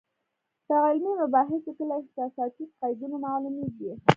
په علمي مباحثو کې له احساساتي قیدونو معلومېږي.